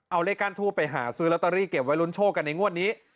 เอาเลขก้านทูบไปหาซื้อลอตเตอรี่เก็บไว้ลุ้นโชคกันในงวดนี้